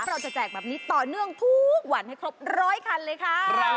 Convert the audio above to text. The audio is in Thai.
แจกแบบนี้ต่อเนื่องทุกวันให้ครบร้อยคันเลยค่ะ